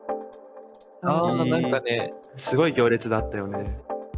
あ何かねすごい行列だったよね。